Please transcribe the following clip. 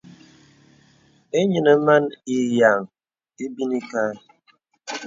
Inyinə man ǐ yeaŋ ibini kaɛ.